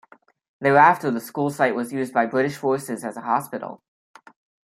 Thereafter, the school site was used by British forces as a hospital.